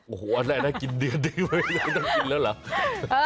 โอ้โหอันนี้ได้กินเดือนไม่ได้ต้องกินแล้วหรอ